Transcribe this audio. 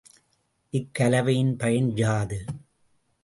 இக்கலவையின் பயன் யாது?